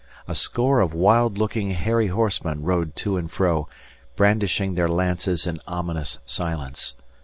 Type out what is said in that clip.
A score of wild looking, hairy horsemen rode to and fro, brandishing their lances in ominous silence.